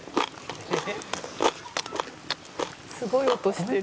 「すごい音してる」